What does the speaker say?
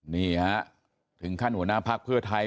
นี่ฮะถึงขั้นหัวหน้าพักเพื่อไทย